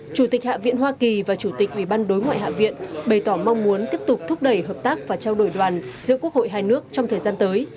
chủ tịch hạ viện hoa kỳ và chủ tịch ủy ban đối ngoại hạ viện bày tỏ mong muốn tiếp tục thúc đẩy hợp tác và trao đổi đoàn giữa quốc hội hai nước trong thời gian tới